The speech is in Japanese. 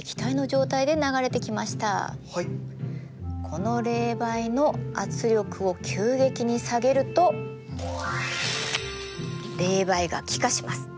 この冷媒の圧力を急激に下げると冷媒が気化します。